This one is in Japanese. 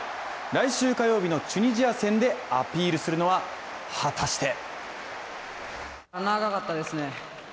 来週火曜日のチュニジア戦でアピールするのは果たして？